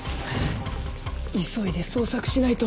急いで捜索しないと。